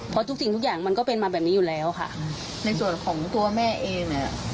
เพราะทุกสิ่งทุกอย่างมันก็เป็นมาแบบนี้อยู่แล้วค่ะในส่วนของตัวแม่เองเนี่ย